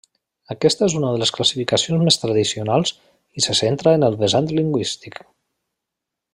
Aquesta és una de les classificacions més tradicionals i se centra en el vessant lingüístic.